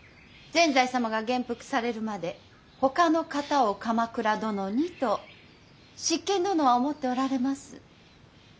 善哉様が元服されるまでほかの方を鎌倉殿にと執権殿は思っておられます。